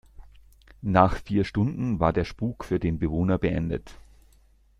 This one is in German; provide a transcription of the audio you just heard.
Nach vier Stunden war der Spuck für den Bewohner beendet.